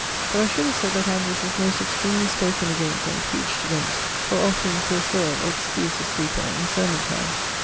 But I should have sayd that Andrewes was most extremely spoken against and preached against for offering to assoile or excuse a sleeper in sermon time.